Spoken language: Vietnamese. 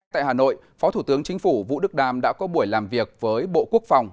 tại hà nội phó thủ tướng chính phủ vũ đức đam đã có buổi làm việc với bộ quốc phòng